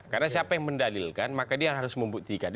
karena siapa yang mendalilkan maka dia harus membuktikan